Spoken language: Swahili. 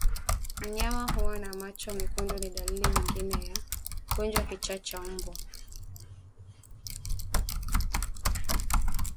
Mnyama kuwa na macho mekundu ni dalili nyingine ya ugonjwa wa kichaa cha mbwa